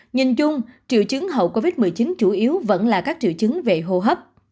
nhìn chung triệu chứng hậu covid một mươi chín chủ yếu vẫn là các triệu chứng về hô hấp